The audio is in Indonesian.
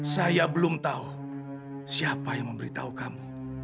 saya belum tahu siapa yang memberitahu kamu